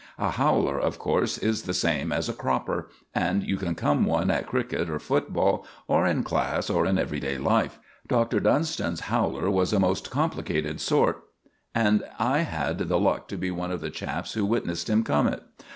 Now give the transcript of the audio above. A "howler," of course, is the same as a "cropper," and you can come one at cricket or football or in class or in everyday life. Dr. Dunston's howler was a most complicated sort, and I had the luck to be one of the chaps who witnessed him come it.